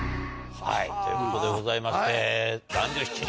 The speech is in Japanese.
はいということでございまして。